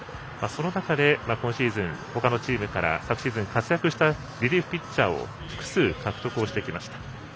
その中で今シーズンほかのチームから昨シーズン活躍したリリーフピッチャーを複数獲得してきました。